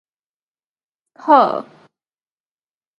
好